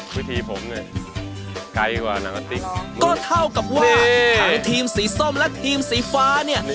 ก็เท่ากับว่าทั้งทีมสีส้มและทีมสีฟ้าเนี่ย